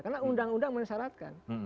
karena undang undang mensyaratkan